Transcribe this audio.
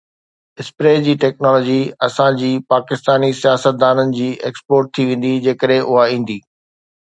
spray جي technology اسان جي پاڪستاني سياستدانن جي ايڪسپورٽ ٿي ويندي جيڪڏهن اها ايندي